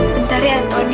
bentar ya tony